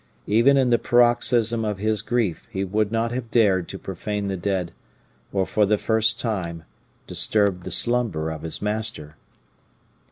Even in the paroxysm of his grief he would not have dared to profane the dead, or for the first time disturb the slumber of his master.